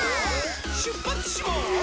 しゅっぱつします！